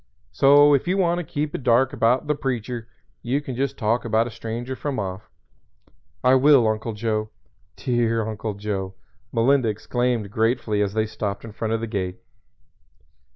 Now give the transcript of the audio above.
So if you want to keep it dark about 'The Preacher' you can just talk about a stranger from off." "I will, Uncle Joe dear Uncle Joe." Melinda exclaimed gratefully as they stopped in front of the gate.